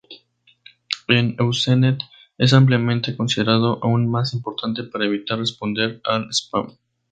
En Usenet, es ampliamente considerado aún más importante para evitar responder al spam.